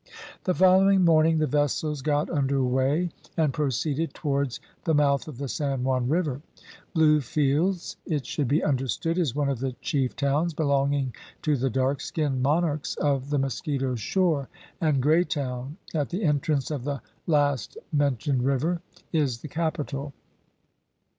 The following morning the vessels got under weigh, and proceeded towards the mouth of the San Juan river. Bluefields, it should be understood, is one of the chief towns belonging to the dark skinned monarchs of the Mosquito shore, and Graytown, at the entrance of the last mentioned river, is the capital.